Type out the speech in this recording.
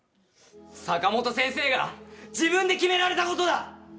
坂本先生が自分で決められたことだ！